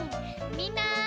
みんな！